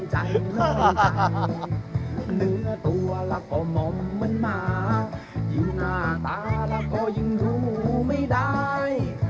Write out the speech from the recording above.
เนื้อตัวแล้วก็มอมเหมือนหมายิ่งหน้าตาแล้วก็ยังดูไม่ได้